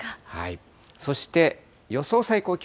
そして、予想最高気温。